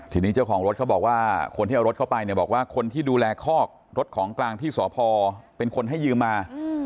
ทีนี้เจ้าของรถเขาบอกว่าคนที่เอารถเข้าไปเนี่ยบอกว่าคนที่ดูแลคอกรถของกลางที่สพเป็นคนให้ยืมมา